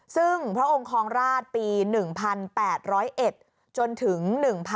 ซึ่งพระองค์คลองราชปี๑๘๐๑จนถึง๑๕